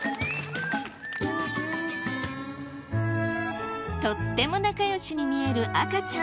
とっても仲良しに見える赤ちゃんとワンちゃん。